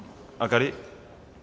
あかり？